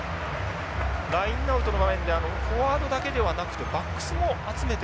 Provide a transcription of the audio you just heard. ラインアウトの場面でフォワードだけではなくてバックスも集めてて。